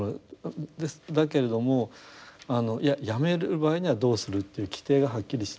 だけれどもやめる場合にはどうするという規定がはっきりしていると。